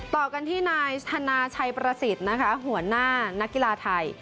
ต่อกันที่นายธนาชัยประสิทธิ์นะคะหัวหน้านักกีฬาไทย